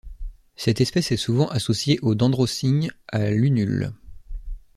Cette espèce est souvent associée au Dendrocygne à lunules.